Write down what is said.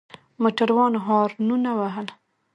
موټروان هارنونه وهل.